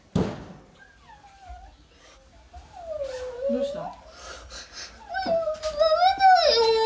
・どうした？